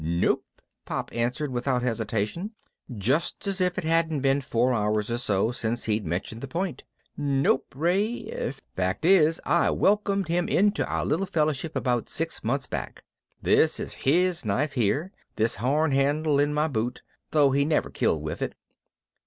"Nope," Pop answered without hesitation, just as if it hadn't been four hours or so since he'd mentioned the point. "Nope, Ray. Fact is I welcomed him into our little fellowship about six months back. This is his knife here, this horn handle in my boot, though he never killed with it.